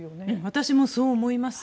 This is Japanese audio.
私もそう思います。